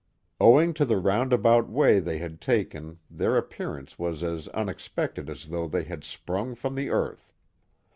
Owing to the roundabout way they had taken their appearance was as un expected as though they had sprung from the earth.